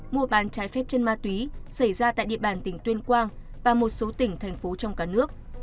mua bán trái phép chân ma túy xảy ra tại địa bàn tỉnh tuyên quang và một số tỉnh thành phố trong cả nước